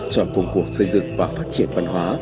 cho cùng cuộc xây dựng và phát triển văn hóa